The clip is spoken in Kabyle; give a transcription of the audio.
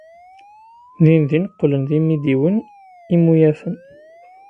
Dindin qqlen d imidiwen imuyafen.